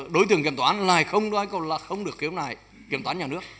đối tượng kiểm toán lại không được khiếu nải kiểm toán nhà nước